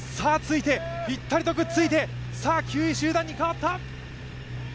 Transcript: ぴったりとくっついて９位集団に変わった。